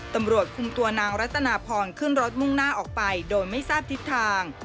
ตำรวจคุมตัวนางรัตนาพรขึ้นรถมุ่งหน้าออกไปโดยไม่ทราบทิศทาง